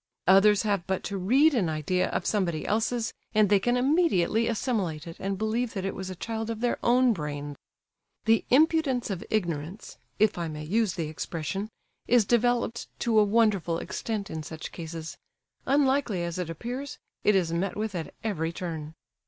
Others have but to read an idea of somebody else's, and they can immediately assimilate it and believe that it was a child of their own brain. The "impudence of ignorance," if I may use the expression, is developed to a wonderful extent in such cases;—unlikely as it appears, it is met with at every turn.